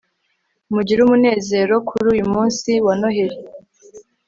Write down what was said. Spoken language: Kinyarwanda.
mugire umunezero kuri uyu munsi wa noheri